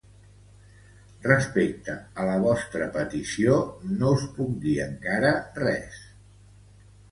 Respecte a la vostra petició, no us puc dir encara res.